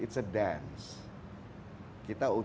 kita untuk bisa mengangkat perusahaan